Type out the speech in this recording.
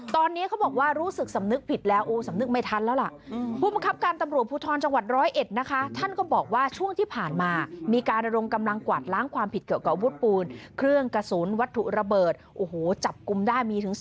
ตอนนี้เขาบอกว่ารู้สึกสำนึกผิดแล้วโอ้สำนึกไม่ทันแล้วล่ะ